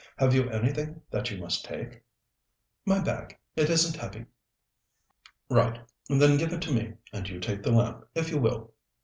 Have you anything that you must take?" "My bag; it isn't heavy." "Right. Then give it to me, and you take the lamp, if you will."